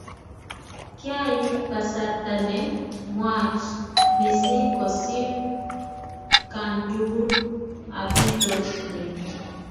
Kiaip kasarta ne nwach missing kosir atkaan tugul apirto met.